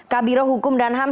kak biro hukum dan ham